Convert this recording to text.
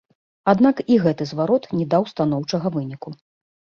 Аднак і гэты зварот не даў станоўчага выніку.